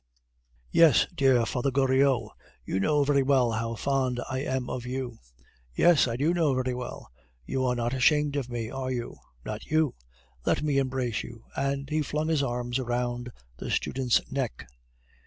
"Yes, dear Father Goriot; you know very well how fond I am of you " "Yes, I do know very well. You are not ashamed of me, are you? Not you! Let me embrace you," and he flung his arms around the student's neck.